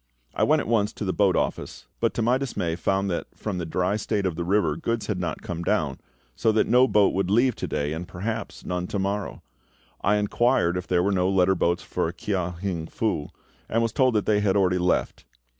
I went at once to the boat office, but to my dismay found that from the dry state of the river goods had not come down, so that no boat would leave to day and perhaps none to morrow. I inquired if there were no letter boats for Kia hing Fu, and was told that they had already left.